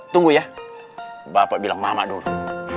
tunggu ya bapak bilang mama dulu